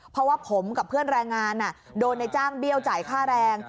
เพราะว่าผมกับเพื่อนแรงงานโดนในจ้างเบี้ยวจ่ายค่าแรง